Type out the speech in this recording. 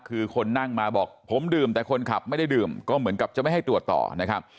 คือคนนั่งมาบอกผมดื่มแต่คนขับไม่ได้ดื่มก็เหมือนกับจะไม่ให้ตรวจต่อนะครับ